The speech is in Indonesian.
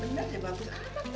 bener deh bagus